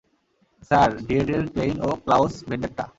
Sir, ডিয়েটের Klein ও Klaus ভেনডেট্টা।